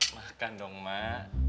makan dong mak